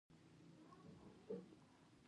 د دغو مالدارانو په خبرو کې.